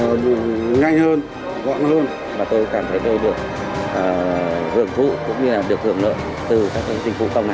và tôi cảm thấy tôi được hưởng thụ cũng như được hưởng lợi từ các dịch vụ công này